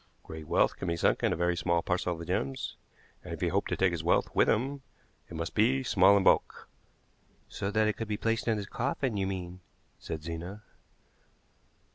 Great wealth can be sunk in a very small parcel of gems, and if he hoped to take his wealth with him it must be small in bulk." "So that it could be placed in his coffin, you mean," said Zena.